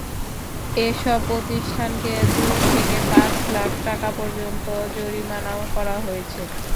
এসব প্রতিষ্ঠানকে দুই থেকে পাঁচ লাখ টাকা পর্যন্ত জরিমানাও করা হয়েছে।